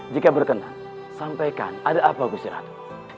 jika berkenan sampaikan ada apa beristirahat